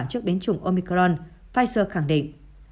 trước biến chủng omicron pfizer khẳng định